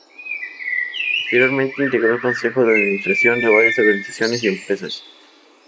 Posteriormente integró el consejo de administración de varias organizaciones y empresas.